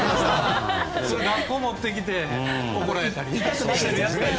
それを学校持って行って怒られたり。